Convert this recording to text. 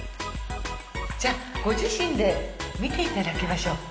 じゃあご自身で見ていただきましょう。